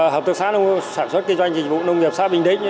hợp tác xã nông sản xuất kinh doanh dịch vụ nông nghiệp xã bình định